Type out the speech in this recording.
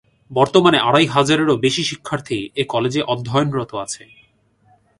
বর্তমানে আড়াই হাজারেরও বেশি শিক্ষার্থী এ কলেজে অধ্যয়নরত আছে।